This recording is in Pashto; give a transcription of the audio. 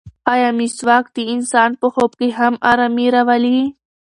ایا مسواک د انسان په خوب کې هم ارامي راولي؟